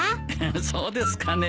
そうですかね。